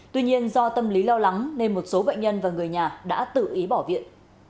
tuy nhiên do tâm lý lo lắng nên một số bệnh nhân và người nhà đã tự ý bỏ viện